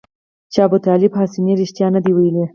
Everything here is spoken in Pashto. چې ابوطالب حسیني رښتیا نه دي ویلي.